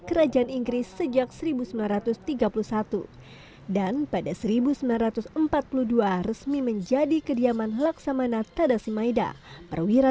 kerajaan inggris sejak seribu sembilan ratus tiga puluh satu dan pada seribu sembilan ratus empat puluh dua resmi menjadi kediaman laksamana tadasimaida perwira